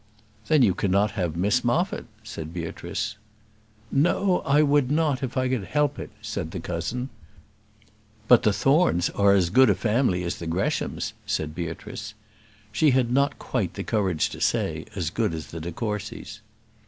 "Then you cannot have Miss Moffat," said Beatrice. "No; I would not if I could help it," said the cousin. "But the Thornes are as good a family as the Greshams," said Beatrice. She had not quite the courage to say, as good as the de Courcys.